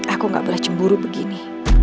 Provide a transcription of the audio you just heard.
aku gak boleh cemburu begini